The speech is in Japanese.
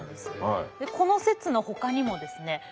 この説のほかにもですね